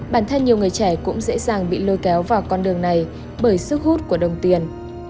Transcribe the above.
bản thân nhiều người trẻ cũng dễ dàng bị lôi kéo vào con đường này bởi sức hút của đồng tiền